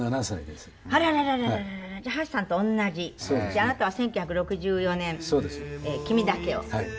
あなたは１９６４年『君だけを』。はい。